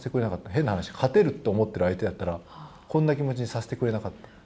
変な話、勝てると思ってる相手だったら、こんな気持ちにさせてくれなかった。